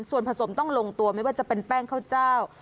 ส่วนผสมต้องลงตัวไม่ว่าจะเป็นแป้งข้าวเจ้า